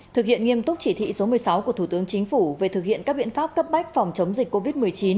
thực hiện nghiêm túc chỉ thị số một mươi sáu của thủ tướng chính phủ về thực hiện các biện pháp cấp bách phòng chống dịch covid một mươi chín